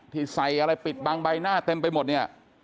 ใส่อะไรปิดบังใบหน้าเต็มไปหมดเนี่ย